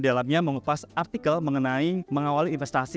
dan dalamnya menguplas artikel mengenai mengawali investasi